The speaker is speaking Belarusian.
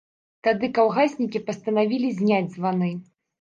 Тады калгаснікі пастанавілі зняць званы.